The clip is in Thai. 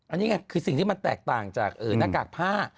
อันนี้ไงคือสิ่งที่มันแตกต่างจากหน้ากากผ้า